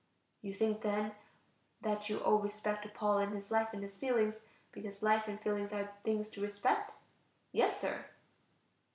You think then that you owe respect to Paul in his life and his feelings, because life and feeling are things to respect? Yes, sir.